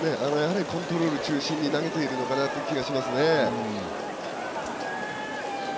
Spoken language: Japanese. コントロール中心に投げているのかなという気がしますね。